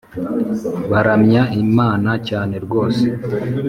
baramya Imana cyane rwose